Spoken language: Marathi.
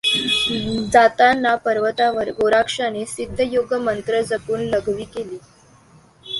जातांना पर्वतावर गोरक्षाने सिद्धयोगमंत्र जपून लघवी केली.